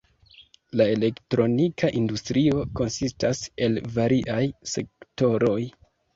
La elektronika industrio konsistas el variaj sektoroj.